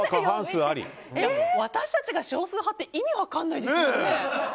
私たちが少数派って意味分からないですよね。